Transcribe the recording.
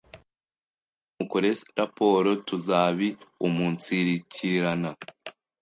Hanyuma mukore raporo tuzabiumunsirikirana.”